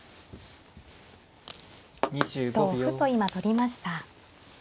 同歩と今取りました。